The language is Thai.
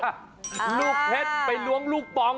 อ่าอ่าอรุ้งลูกปอง